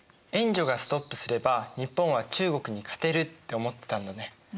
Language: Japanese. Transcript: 援助がストップすれば日本は中国に勝てるって思ってたんだね。